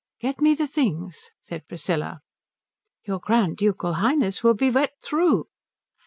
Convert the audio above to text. "Get me the things," said Priscilla. "Your Grand Ducal Highness will be wet through."